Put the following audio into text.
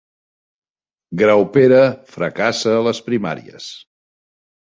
Graupera fracassa a les primàries